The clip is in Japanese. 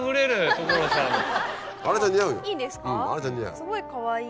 すごいかわいい。